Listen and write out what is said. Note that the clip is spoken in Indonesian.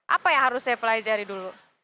apa yang harus saya pelajari dulu